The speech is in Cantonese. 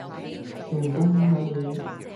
嗯，當然可以